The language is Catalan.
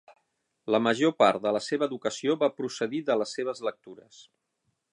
La major part de la seva educació va procedir de les seves lectures.